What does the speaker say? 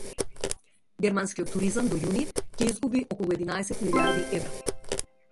Германскиот туризам до јуни ќе изгуби околу единаесет милијарди евра